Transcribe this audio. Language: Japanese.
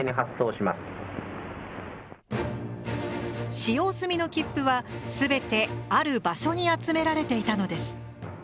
使用済みの切符は全てある場所に集められていたのです。